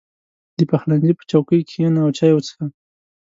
• د پخلنځي په چوکۍ کښېنه او چای وڅښه.